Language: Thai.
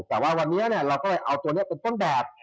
แต่วันนี้เราก็เอาตัวนี้เป็นวางแบบ